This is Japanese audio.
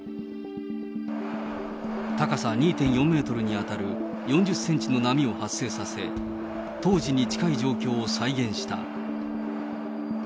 高さ２．４メートルに当たる４０センチの波を発生させ、当時に近い状況を再現した。